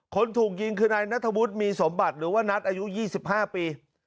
คนถูกยิงคือนายนัทวุฒิมีสมบัติหรือว่านัทอายุ๒๕ปี